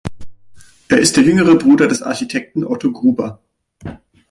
Er ist der jüngere Bruder des Architekten Otto Gruber.